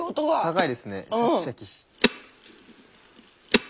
高いですねシャキシャキ。